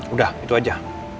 udah itu aja